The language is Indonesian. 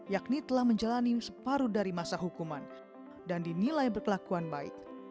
yakni telah menjalani separuh dari masa hukuman dan dinilai berkelakuan baik